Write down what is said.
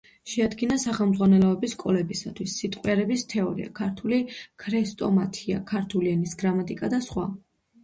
შეადგინა სახელმძღვანელოები სკოლებისათვის: „სიტყვიერების თეორია“, „ქართული ქრესტომათია“, „ქართული ენის გრამატიკა“ და სხვა.